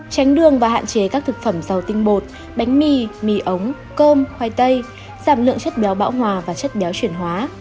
tránh đường và hạn chế các thực phẩm giàu tinh bột bánh mì mì ống cơm khoai tây giảm lượng chất béo bão hòa và chất béo chuyển hóa